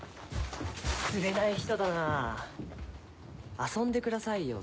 つれない人だなぁ遊んでくださいよ。